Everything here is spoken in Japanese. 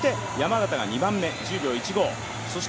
そして山縣が２番目１０秒１５。